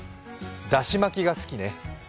だし巻きが好きね。